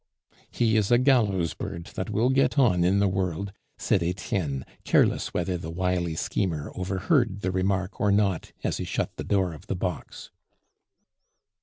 "He is a gallows bird that will get on in the world," said Etienne, careless whether the wily schemer overheard the remark or not, as he shut the door of the box.